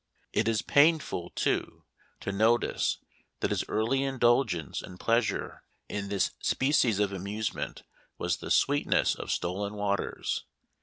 It is painful, too, to notice that his early indulgence and pleasure in this species of amusement was the " sweetness of stolen waters."